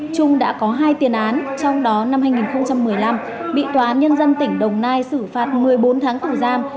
trung đã có hai tiền án trong đó năm hai nghìn một mươi năm bị tòa án nhân dân tỉnh đồng nai xử phạt một mươi bốn tháng tù giam